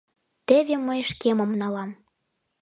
Теве мый шкемым налам.